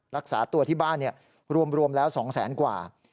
รักษาตัวที่บ้านรวมแล้ว๒แสนกว่า